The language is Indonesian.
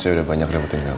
saya udah banyak reputin kamu